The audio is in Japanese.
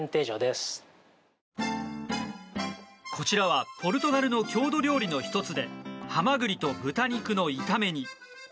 こちらはポルトガルの郷土料理の１つでハマグリと豚肉の炒め煮。